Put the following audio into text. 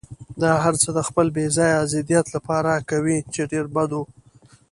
دا هرڅه د خپل بې ځایه ضدیت لپاره کوي، چې ډېر بد و.